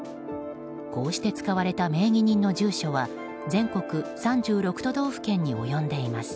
こうして使われた名義人の住所は全国３６都道府県に及んでいます。